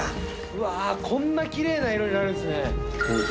こんなきれいな色になるんですね。